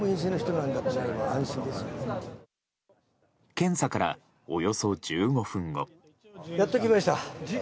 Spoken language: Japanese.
検査から、およそ１５分後。